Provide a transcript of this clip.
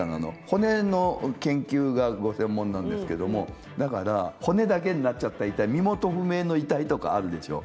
骨の研究がご専門なんですけどもだから骨だけになっちゃった遺体身元不明の遺体とかあるでしょ？